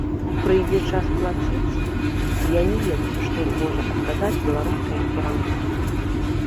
Прыйдзе час плаціць, і я не ведаю, што зможа адказаць беларускае кіраўніцтва.